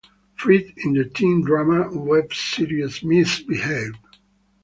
Freed in the teen drama web series "Miss Behave".